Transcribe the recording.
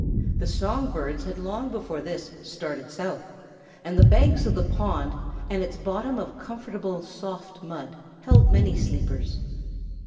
The song birds had long before this started south, and the banks of the pond and its bottom of comfortable soft mud held many sleepers.